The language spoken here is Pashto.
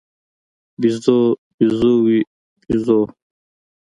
بیزو، بیزووې، بیزوو